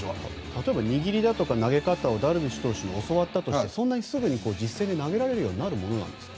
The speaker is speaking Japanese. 握りだとか投げ方をダルビッシュ投手に教わったとして、すぐに実戦で投げられるようになるんですか？